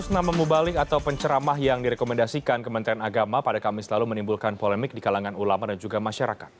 lima ratus nama mubalik atau penceramah yang direkomendasikan kementerian agama pada kamis lalu menimbulkan polemik di kalangan ulama dan juga masyarakat